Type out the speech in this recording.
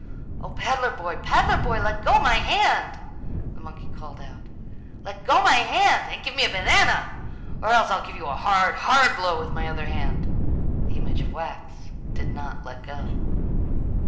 "O, peddler boy, peddler boy, let go my hand," the monkey called out. "Let go my hand and give me a banana or else I'll give you a hard, hard blow with my other hand." The image of wax did not let go.